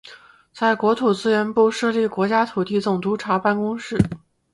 在国土资源部设立国家土地总督察办公室。